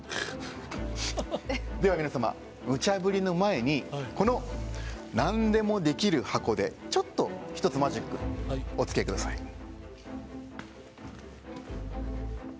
では皆様、ムチャぶりの前にこのなんでもできる箱でちょっと１つマジックおつきあいください。